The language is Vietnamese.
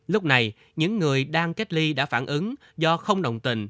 lúc này những người đang cách ly đã phản ứng do không đồng tình